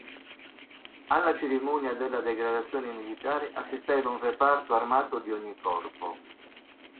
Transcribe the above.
Alla cerimonia della degradazione militare assisteva un reparto armato di ogni corpo.